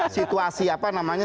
situasi apa namanya